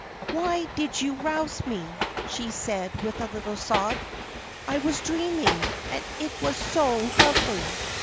"Why did you rouse me?" she said, with a little sob. "I was dreaming, and it was so lovely.